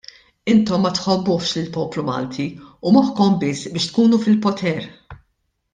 Intom ma tħobbuhx lill-poplu Malti u moħħkom biss biex tkunu fil-poter!